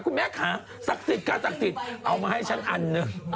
ว่าข้างในจะต้องมีอะไร